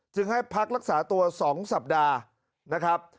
ให้พักรักษาตัว๒สัปดาห์นะครับ